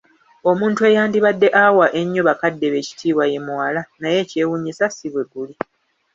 Omuntu eyandibadde awa ennyo bakadde be ekitiiba ye muwala, naye ekyewuunyisa si bwe guli!